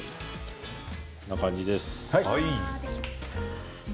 こんな感じです。